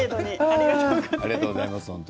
ありがとうございます。